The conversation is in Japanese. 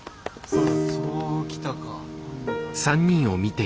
そう来たか。